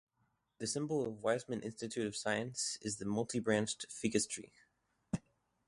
The symbol of the Weizmann Institute of Science is the multibranched "Ficus" tree.